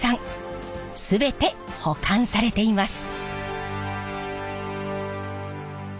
全て保管されています。